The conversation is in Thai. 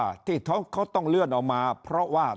จะมีโทษสูงนะฮะจำควบคุกไปถึง๒๐ปี